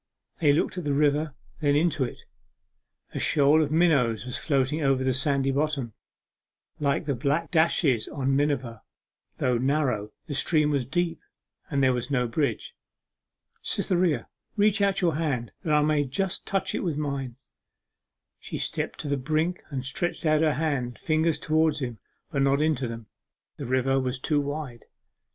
They looked at the river, then into it; a shoal of minnows was floating over the sandy bottom, like the black dashes on miniver; though narrow, the stream was deep, and there was no bridge. 'Cytherea, reach out your hand that I may just touch it with mine.' She stepped to the brink and stretched out her hand and fingers towards his, but not into them. The river was too wide.